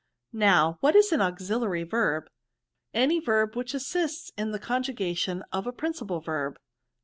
" Now, what is an auxiliary verb?" " Any verb which assists in the conjugation of a principal verb."